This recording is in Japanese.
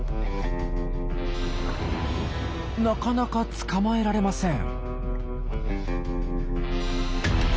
なかなか捕まえられません。